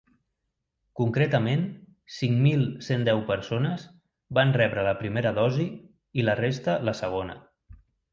Concretament, cinc mil cent deu persones van rebre la primera dosi i la resta la segona.